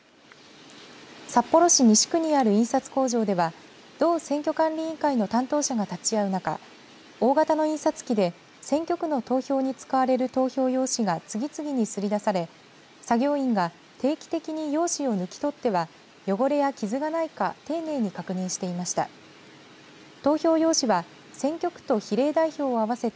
札幌市西区にある印刷工場では道選挙管理委員会の担当者が立ち会う中大型の印刷機で選挙区の投票に使われる投票用紙が次々にすり出され作業員が定期的に用紙を抜き取っては汚れや傷がないか丁寧に確認していました。